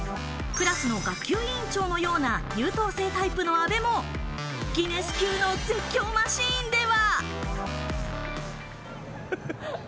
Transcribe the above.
クラスの学級委員長のような優等生タイプの阿部もギネス級の絶叫マシーンでは。